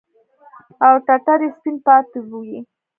او ټټر يې سپين پاته وي.